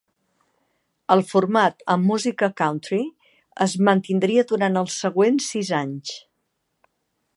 El format amb música "country" es mantindria durant els següents sis anys.